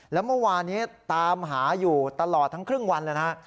แล้วเมื่อวานี้ตามหาอยู่ตลอดทั้งครึ่งวันเลยนะฮะ